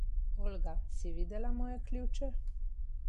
Olga, si videla moje ključe?